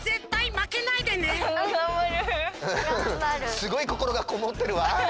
すごいこころがこもってるわ。